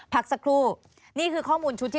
พักสักครู่นี่คือข้อมูลชุดที่